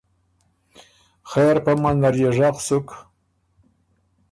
خېر پۀ منځ نر يې ژغ سُک